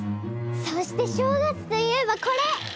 そして正月といえばこれ！